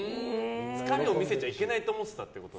疲れを見せちゃいけないと思ってたってこと。